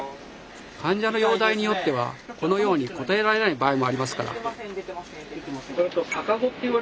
患者の容体によってはこのように答えられない場合もありますから。